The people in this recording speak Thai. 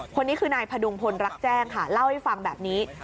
คนนี้คือนายพดุงพลรักแจ้งค่ะเล่าให้ฟังแบบนี้